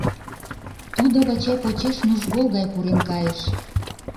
Тудо Вачай почеш нужгол гай пурен кайыш.